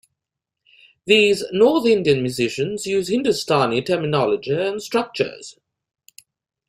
These north Indian musicians use Hindustani terminology and structures.